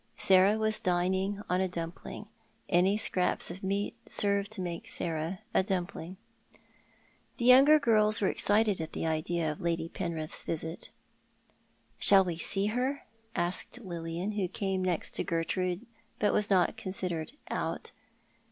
Sarah was dining on a dum pling. Any scraps of meat served to make Sarah a dumpling. The J ounger girls were excited at the idea of Lady Penrith's visit. " Shall we see htr ?" asked Lilian, v/ho came nest to Gertrude, but was not considered " out."